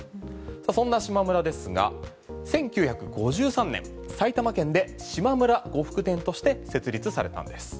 そんなしまむらですが１９５３年埼玉県で島村呉服店として設立されたんです。